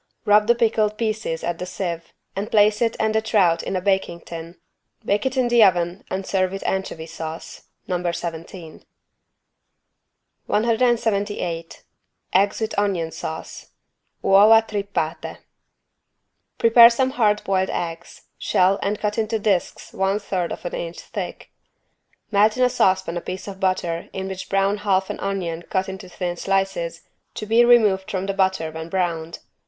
Rub the pickled pieces at the sieve and place it and the trout in a baking tin. Bake in the oven and serve with anchovy sauce (No. 17). 178 EGGS WITH ONION SAUCE (Uova trippate) Prepare some hard boiled eggs, shell and cut into disks one third of an inch thick. Melt in a saucepan a piece of butter in which brown half an onion cut into thin slices, to be removed from the butter when browned.